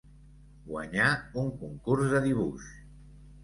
Guanyar un concurs de dibuix.